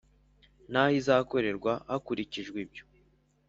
n aho izakorerwa hakurikijwe ibyo